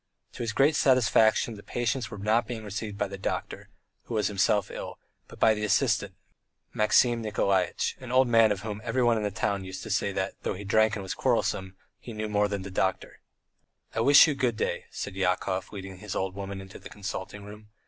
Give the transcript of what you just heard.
To his great satisfaction the patients were not being received by the doctor, who was himself ill, but by the assistant, Maxim Nikolaitch, an old man of whom everyone in the town used to say that, though he drank and was quarrelsome, he knew more than the doctor. "I wish you good day," said Yakov, leading his old woman into the consulting room.